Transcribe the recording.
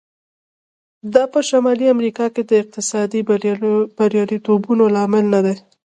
دا په شمالي امریکا کې د اقتصادي بریالیتوبونو لامل نه دی.